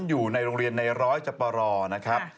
อยู่ในโรงเรียนในร้อยจปรนะครับ